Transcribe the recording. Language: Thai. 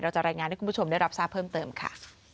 จะรายงานให้คุณผู้ชมได้รับทราบเพิ่มเติมค่ะ